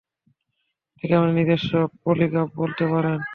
এটাকে আমাদের নিজস্ব পলিগ্রাফ বলতে পারেন।